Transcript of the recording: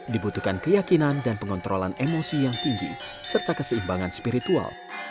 dibutuhkan keyakinan dan pengontrolan emosi yang tinggi serta keseimbangan spiritual